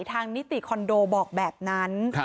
นิติคอนโดบอกแบบนั้น